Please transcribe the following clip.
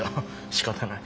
しかたない。